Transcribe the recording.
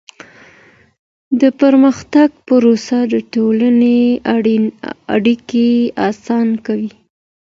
د پرمختګ پروسه د ټولني اړیکي اسانه کوي.